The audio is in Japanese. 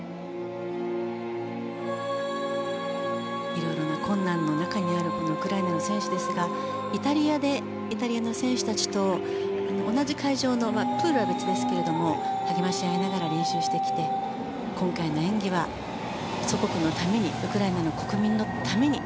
いろいろな困難の中にあるウクライナの選手ですがイタリアでイタリアの選手たちと同じ会場のプールは別ですけども励まし合いながら練習してきて今回の演技は、祖国のためにウクライナの国民のために。